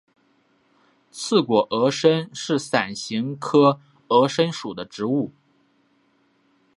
刺果峨参是伞形科峨参属的植物。